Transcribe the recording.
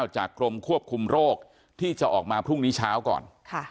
จากกรมควบคุมโรคที่จะออกมาพรุ่งนี้เช้าก่อน